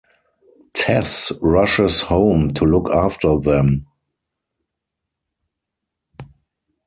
Tess rushes home to look after them.